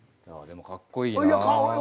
でもかっこいいなぁ。